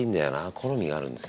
好みがあるんですよね。